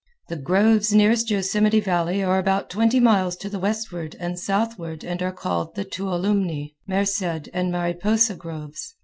The groves nearest Yosemite Valley are about twenty miles to the westward and southward and are called the Tuolumne, Merced and Mariposa groves.